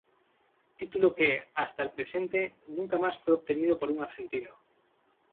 Título que, hasta el presente, nunca más fue obtenido por un argentino.